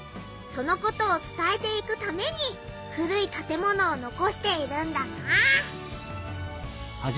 そのことを伝えていくために古い建物を残しているんだな。